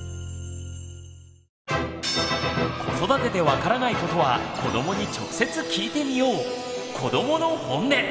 子育てで分からないことは子どもに直接聞いてみよう！